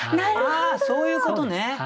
そういうことね！